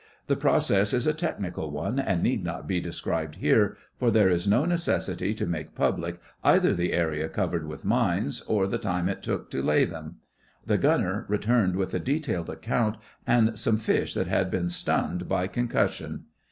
The process is a technical one, and need not be described here, for there is no necessity to make public either the area covered with mines or the time that it took to lay them. The Gunner returned with a detailed account and some fish that had been stunned by concussion.